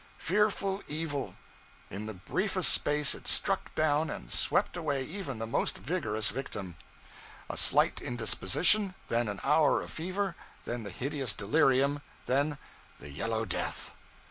'Fearful evil! In the briefest space it struck down and swept away even the most vigorous victim. A slight indisposition, then an hour of fever, then the hideous delirium, then the Yellow Death!